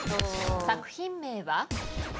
作品名は？